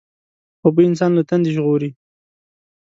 اوبه انسان له تندې ژغوري.